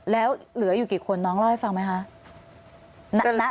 แล้วเหลืออยู่กี่คนน้องเล่าให้ฟังไหมคะ